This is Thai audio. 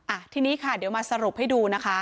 อ่ะทีนี้ค่ะเดี๋ยวมาสรุปให้ดูนะคะ